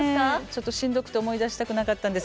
ちょっとしんどくて思い出したくなかったんです。